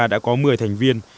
đã có một mươi thành viên